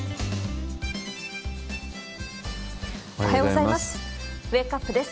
おはようございます。